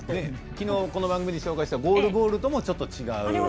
この番組で紹介したゴールボールとはちょっと違う。